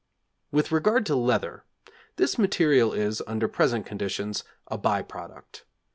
With regard to leather, this material is, under present conditions, a 'by product.'